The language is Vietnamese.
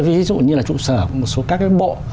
ví dụ như là trụ sở một số các cái bộ